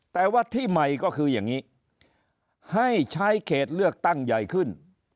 แต่ว่าที่ใหม่ก็คืออย่างนี้ให้ใช้เขตเลือกตั้งใหญ่ขึ้น